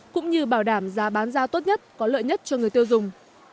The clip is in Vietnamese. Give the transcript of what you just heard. cũng như bảo đảm giá bán ra tốt nhất có lợi nhất cho người tiêu dùng